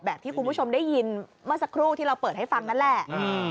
ที่คุณผู้ชมได้ยินเมื่อสักครู่ที่เราเปิดให้ฟังนั่นแหละ